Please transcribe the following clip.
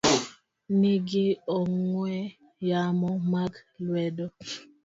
ni gi ong'we yamo mag lwedo.